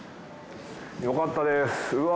よかったです。